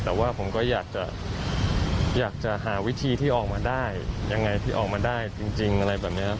แต่ว่าผมก็อยากจะอยากจะหาวิธีที่ออกมาได้ยังไงที่ออกมาได้จริงอะไรแบบนี้ครับ